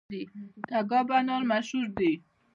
تګاب انار مشهور دي؟